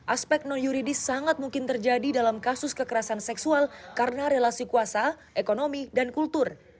aspek non yuridis sangat mungkin terjadi dalam kasus kekerasan seksual karena relasi kuasa ekonomi dan kultur